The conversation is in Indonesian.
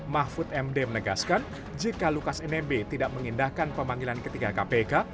mahfud md menegaskan jika lukas nmb tidak mengindahkan pemanggilan ketiga kpk